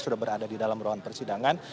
sudah berada di dalam ruang persidangan